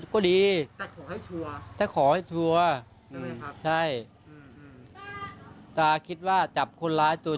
ก็ดีแต่ขอให้ชัวร์ถ้าขอให้ชัวร์ใช่ตาคิดว่าจับคนร้ายตัว